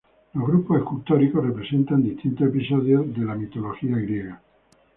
Los grupos escultóricos representan distintos episodios de mitología griega.